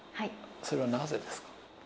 それはなぜですか？